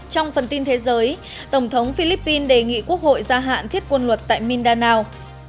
trong phần tin thế giới tổng thống philippines đề nghị quốc hội gia hạn thiết quân luật tại mindanao